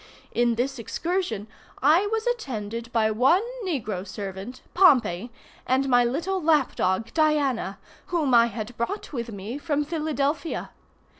In this excursion I was attended by one negro servant, Pompey, and my little lap dog Diana, whom I had brought with me from Philadelphia.